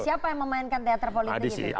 siapa yang memainkan teater politik itu